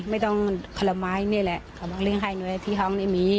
ไม่ต้องขละไม้นี่แหละเขาบอกเลี้ยงให้หน่วยที่ห้องนี่มี